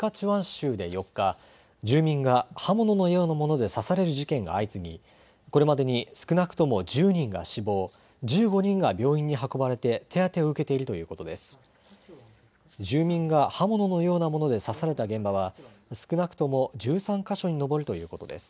州で４日、住民が刃物のようなもので刺される事件が相次ぎこれまでに少なくとも１０人が死亡、１５人が病院に運ばれて手当てを受けているということです。